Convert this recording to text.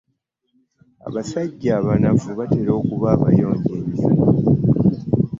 Abasajja abanafu batera okuba abayonjo ennyo.